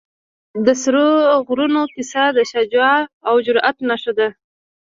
د سرو غرونو کیسه د شجاعت او جرئت نښه ده.